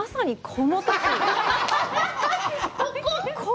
ここ？